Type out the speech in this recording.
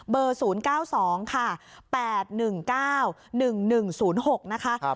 เบอร์๐๙๒๘๑๙๑๑๐๖นะคะ